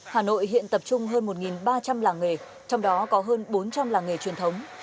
hà nội hiện tập trung hơn một ba trăm linh làng nghề trong đó có hơn bốn trăm linh làng nghề truyền thống